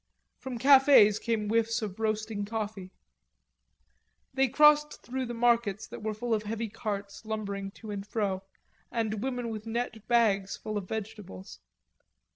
From cafes came whiffs of roasting coffee. They crossed through the markets that were full of heavy carts lumbering to and fro, and women with net bags full of vegetables.